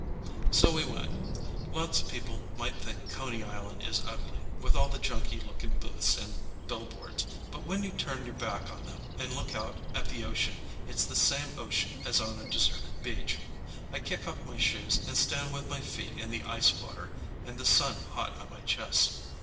So we went. Lots of people might think Coney Island is ugly, with all the junky looking booths and billboards. But when you turn your back on them and look out at the ocean, it's the same ocean as on a deserted beach. I kick off my shoes and stand with my feet in the ice water and the sun hot on my chest.